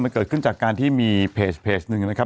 มันเกิดขึ้นจากการที่มีเพจหนึ่งนะครับ